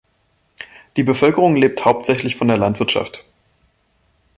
Die Bevölkerung lebt hauptsächlich von der Landwirtschaft.